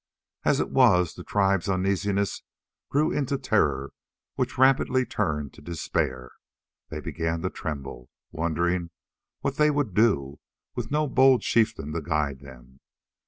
As it was, the tribe's uneasiness grew into terror which rapidly turned to despair. They began to tremble, wondering what they would do with no bold chieftain to guide them.